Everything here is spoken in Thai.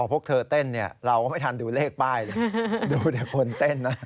พวกเธอเต้นเราก็ไม่ทันดูเลขป้ายเลยดูแต่คนเต้นนะ